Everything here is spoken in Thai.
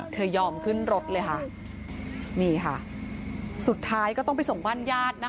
ยอมขึ้นรถเลยค่ะนี่ค่ะสุดท้ายก็ต้องไปส่งบ้านญาตินะคะ